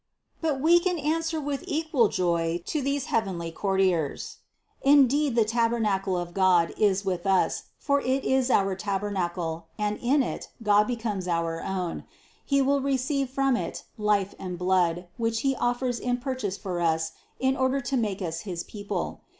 But we can answer with equal joy to these heavenly courtiers: indeed the tabernacle of God is with us, for it is our tabernacle, and in it God becomes our own; He will receive from it life and blood, which He offers in purchase for us in order to make us his people.